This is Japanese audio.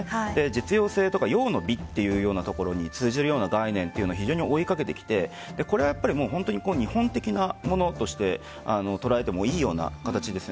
実用性や用の美というところに通じるような概念が非常に追いかけていて日本的なものとして捉えてもいいような形です。